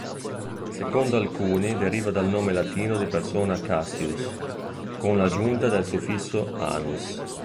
Secondo alcuni deriva dal nome latino di persona Cassius con l'aggiunta del suffisso -anus.